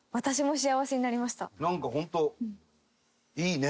なんかホントいいね。